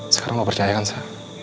sekarang lo percaya kan sa